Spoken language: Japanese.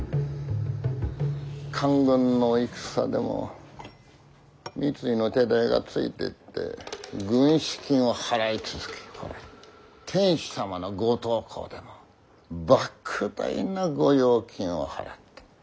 官軍の戦でも三井の手代がついていって軍資金を払い続けほれ天子様のご東幸でも莫大な御用金を払って。